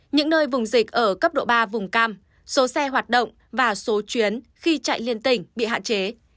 những nơi vùng dịch ở cấp độ ba vùng cam số xe hoạt động và số chuyến khi chạy liên tỉnh bị hạn chế